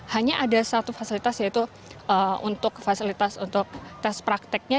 hanya ada satu fasilitas yaitu untuk fasilitas untuk tes prakteknya